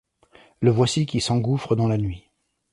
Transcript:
Le voici qui s'engouffre dans la nuit